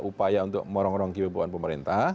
upaya untuk merongrong kebebasan pemerintah